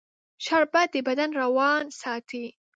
شربت د بدن روان ساتي